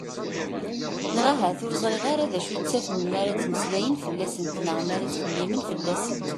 Neɣ ahat ur ẓriɣ ara d acu i ttafen mi ara ttmeslayen fell-asent neɣ mi ara ttxemmimen fell-asent.